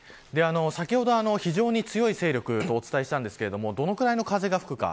先ほど非常に強い勢力とお伝えしましたがどれくらいの風が吹くか。